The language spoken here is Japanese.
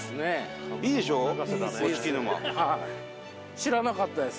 知らなかったです。